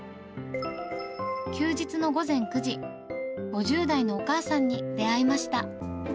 休日の午前９時、５０代のお母さんに出会いました。